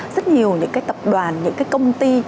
rất nhiều những cái tập đoàn những cái công ty